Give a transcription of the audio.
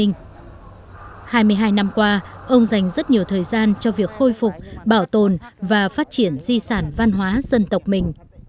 hai mươi hai năm qua ông dành rất nhiều thời gian cho việc khôi phục bảo tồn và phát triển di sản văn hóa dân tộc mình